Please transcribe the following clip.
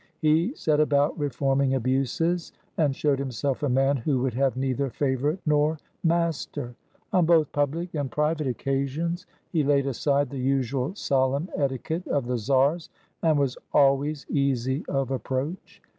He set about reforming abuses, and showed himself a man who would have neither favorite nor master. On both public and private occasions he laid aside the usual solemn etiquette of the czars, and was always easy of approach.